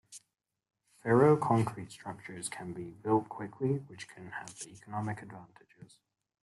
Ferro concrete structures can be built quickly, which can have economic advantages.